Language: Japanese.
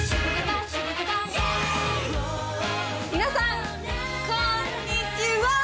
皆さんこんにちわい！